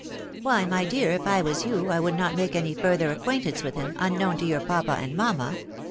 " Why, my dear girl, if I was you, I would not make any further acquaintance with him, unknown to your papa and mamma.